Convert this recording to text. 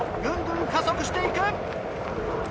ぐんぐん加速して行く。